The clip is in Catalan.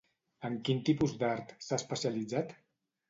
En quin tipus d'art s'ha especialitzat?